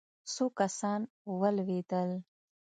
څو کسان ولوېدل.